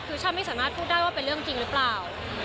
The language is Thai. คือฉันไม่สามารถพูดได้ว่าเป็นเรื่องจริงหรือเปล่า